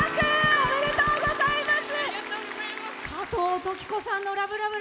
おめでとうございます！